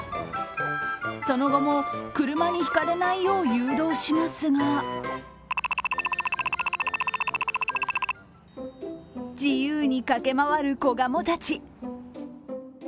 その後も車にひかれないよう誘導しますが自由に駆け回る子ガモたち。